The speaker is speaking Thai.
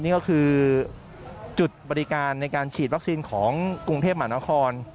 นี่ก็คือจุดบริการในการฉีดวัคซีนของกรุงเทพหมานคร